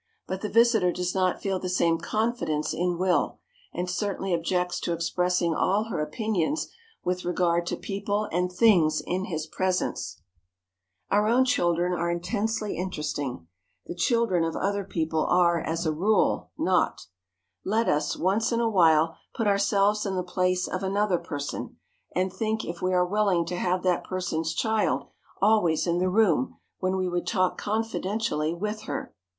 But the visitor does not feel the same confidence in "Will," and certainly objects to expressing all her opinions with regard to people and things in his presence. [Sidenote: OTHER PEOPLE'S CHILDREN] Our own children are intensely interesting; the children of other people are, as a rule, not! Let us, once in a while, put ourselves in the place of another person, and think if we are willing to have that person's child always in the room when we would talk confidentially with her.